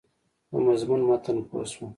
په مضمون متن پوه شوم.